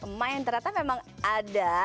emma yang ternyata memang ada